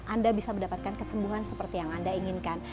anda bisa mendapatkan kesembuhan seperti yang anda inginkan